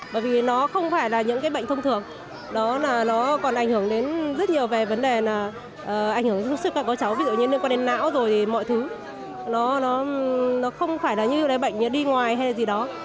bởi vì nó không phải là những cái bệnh thông thường đó là nó còn ảnh hưởng đến rất nhiều về vấn đề là ảnh hưởng đến sức khỏe của cháu ví dụ như liên quan đến não rồi thì mọi thứ nó không phải là như bệnh đi ngoài hay là gì đó